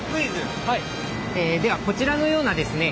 ではこちらのようなですね